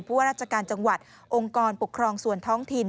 ว่าราชการจังหวัดองค์กรปกครองส่วนท้องถิ่น